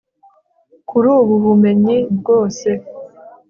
kuri ubu bumenyi bwose